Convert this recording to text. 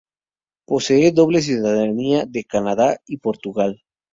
Posee doble ciudadanía, de Canadá y Portugal.